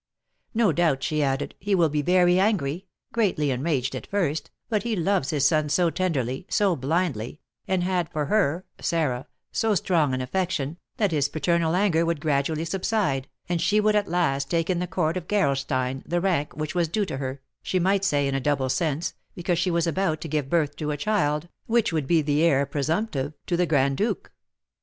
No doubt, she added, he will be very angry, greatly enraged, at first, but he loves his son so tenderly, so blindly, and had for her (Sarah) so strong an affection, that his paternal anger would gradually subside, and she would at last take in the court of Gerolstein the rank which was due to her, she might say in a double sense, because she was about to give birth to a child, which would be the heir presumptive to the Grand Duke.